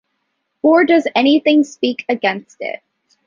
Or does anything speak against it?